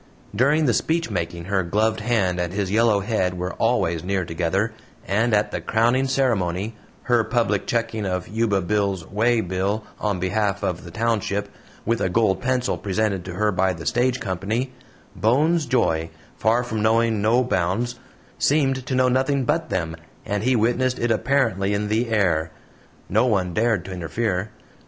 During the speechmaking her gloved hand and his yellow head were always near together, and at the crowning ceremony her public checking of Yuba Bill's "waybill" on behalf of the township, with a gold pencil presented to her by the Stage Company Bones' joy, far from knowing no bounds, seemed to know nothing but them, and he witnessed it apparently in the air. No one dared to interfere.